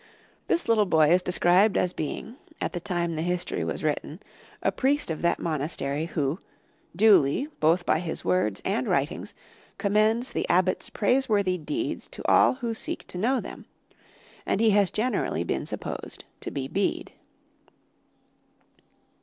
This little boy is described as being, at the time the History was written, a priest of that monastery who "duly, both by his words and writings, commends the Abbot's praiseworthy deeds to all who seek to know them," and he has generally been supposed to be Bede.